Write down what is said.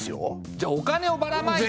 じゃあお金をばらまいて。